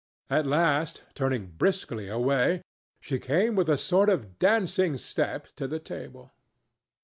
At last, turning briskly away, she came with a sort of dancing step to the table.